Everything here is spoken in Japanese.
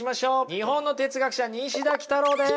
日本の哲学者西田幾多郎です。